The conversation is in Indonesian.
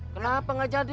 kenapa nggak jadi